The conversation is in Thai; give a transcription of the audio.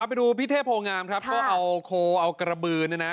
ไปดูพี่เทพโพงามครับก็เอาโคเอากระบือเนี่ยนะ